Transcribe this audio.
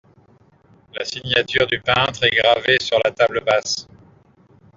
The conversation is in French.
La signature du peintre est gravée sur la table basse.